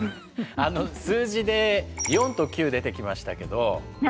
あの数字で４と９出てきましたけど。